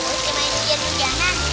gua udah main siapin jalan